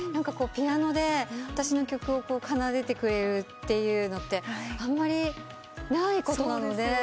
ピアノで私の曲を奏でてくれるっていうのってあんまりないことなので。